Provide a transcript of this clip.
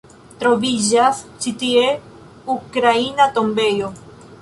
Troviĝas ĉi tie ukraina tombejo.